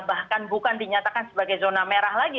bahkan bukan dinyatakan sebagai zona merah lagi